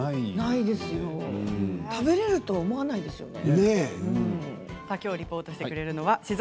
食べられると思わないですよね。